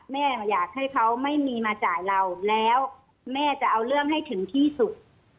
แม่อยากให้เขาไม่มีมาจ่ายเราแล้วแม่จะเอาเรื่องให้ถึงที่สุด